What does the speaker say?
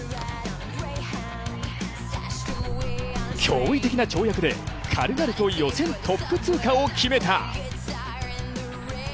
驚異的な跳躍で軽々と予選トップ通過を決めた。